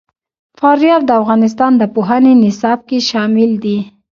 فاریاب د افغانستان د پوهنې نصاب کې شامل دي.